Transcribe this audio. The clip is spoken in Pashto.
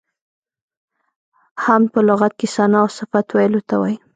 حمد په لغت کې ثنا او صفت ویلو ته وایي.